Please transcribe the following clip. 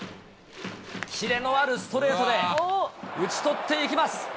キレのあるストレートで打ち取っていきます。